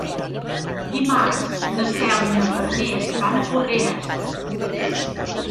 Dimarts na Cel i na Farners van a Porreres.